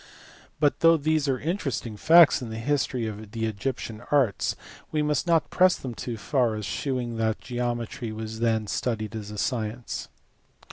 But though these are interesting facts in the history of the Egyptian arts we must not press them too far as shewing that geometry was then studied as a science.